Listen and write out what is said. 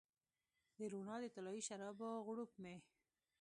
د روڼا د طلایې شرابو غوړپ مې